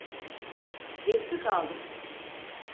Geç mi kaldım?